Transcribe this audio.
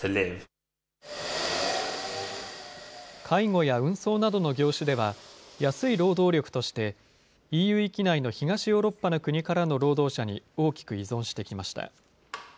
介護や運送などの業種では、安い労働力として、ＥＵ域内の東ヨーロッパからの国からの労働者に大きく依存してきました。